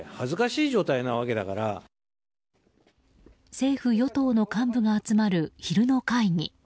政府与党の幹部が始まる昼の会議。